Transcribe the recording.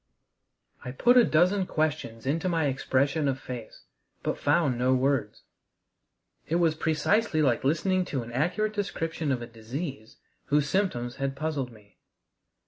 I put a dozen questions into my expression of face, but found no words. It was precisely like listening to an accurate description of a disease whose symptoms had puzzled me.